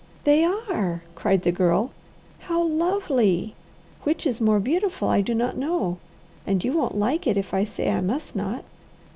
"They are!" cried the Girl. "How lovely! Which is more beautiful I do not know. And you won't like it if I say I must not."